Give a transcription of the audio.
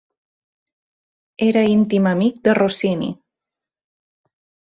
Era íntim amic de Rossini.